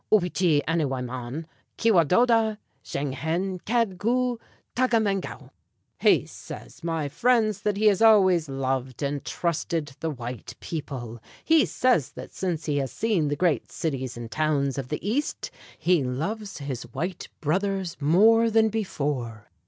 Opeechee annewayman, kewadoda shenghen kad goo tagamengow." "He says, my friends, that he has always loved and trusted the white people. He says that since he has seen the great cities and towns of the East, he loves his white brothers more than before.